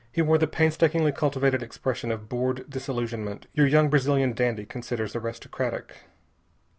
He wore the painstakingly cultivated expression of bored disillusionment your young Brazilian dandy considers aristocratic.